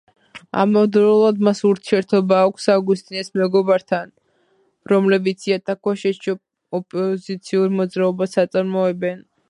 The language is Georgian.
ამავდროულად, მას ურთიერთობა აქვს ავგუსტინეს მეგობრებთან, რომლებიც იატაკქვეშეთში ოპოზიციურ მოძრაობას აწარმოებენ.